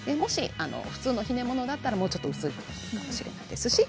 普通のひねものだったらもう少し薄いかもしれないです。